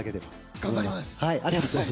頑張ります。